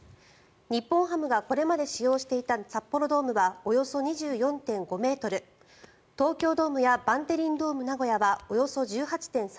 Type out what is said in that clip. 日本ハムがこれまで使用していた札幌ドームはおよそ２４．５ｍ東京ドームやバンテリンドームナゴヤはおよそ